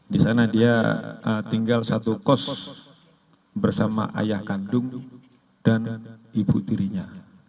di sana dia tinggal satu kos bersama ayah kandung dan ibu tirinya